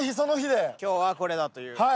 今日はこれだという。